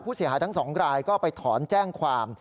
ผู้เสียหายทั้งสองกรายก็ไปถอนแจ้งความ